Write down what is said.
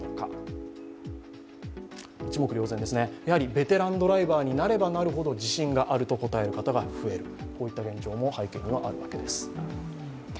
ベテランドライバーになればなるほど自信があると答える方が増える、こういった現状も背景にはあるわけです。